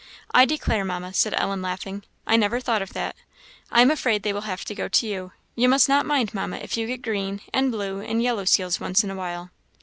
"I declare, Mamma," said Ellen, laughing; "I never thought of that; I am afraid they will have to go to you. You must not mind, Mamma, if you get green, and blue, and yellow seals once in a while."